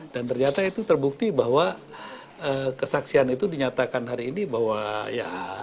dan ternyata itu terbukti bahwa kesaksian itu dinyatakan hari ini bahwa ya